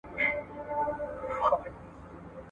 کارخانې څنګه د تولید سرعت زیاتوي؟